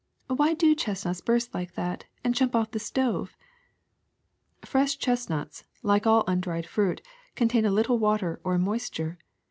Why do chestnuts burst like that and jump off the stove ?''^^ Fresh chestnuts, like all undried fruit, contain a little water, or moisture.